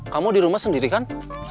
kamu di rumah sendiri kan